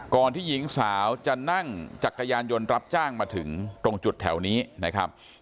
ที่หญิงสาวจะนั่งจักรยานยนต์รับจ้างมาถึงตรงจุดแถวนี้นะครับ